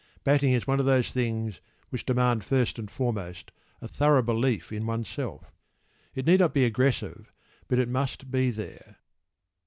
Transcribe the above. Batting is one of those things which demand first and foremost a thorough belief in oneself.  It need not be aggressive, but it must be there.